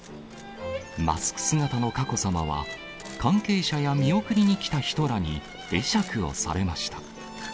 マスク姿の佳子さまは、関係者や見送りに来た人らに会釈をされました。